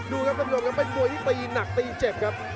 ดูครับท่านผู้ชมครับเป็นมวยที่ตีหนักตีเจ็บครับ